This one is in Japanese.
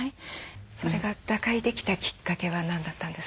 それが打開できたきっかけは何だったんですか？